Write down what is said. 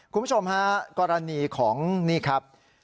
คุณผู้ชมฮะกรณีของนี่ครับ